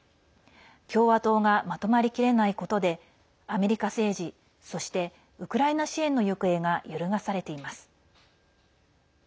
共和党がまとまりきれないことでアメリカ政治そしてウクライナ支援の行方が揺るがされています。